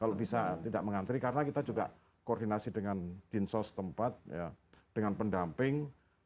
kalau bisa tidak mengantri karena kita juga koordinasi dengan dinsos tempat dengan pendamping